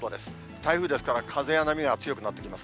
台風ですから、風や波が強くなってきます。